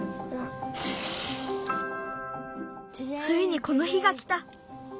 ついにこの日がきた。